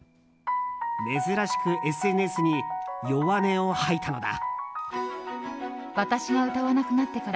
珍しくＳＮＳに弱音を吐いたのだ。